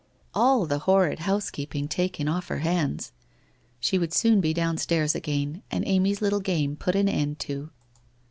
All the horrid house keeping taken off her hands. She would soon be down stairs again and Amv' little game put an end to.